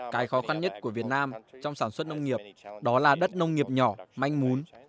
cái khó khăn nhất của việt nam trong sản xuất nông nghiệp đó là đất nông nghiệp nhỏ manh mún